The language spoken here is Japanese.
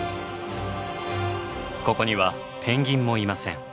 ここにはペンギンもいません。